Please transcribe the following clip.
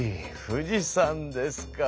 富士山ですか。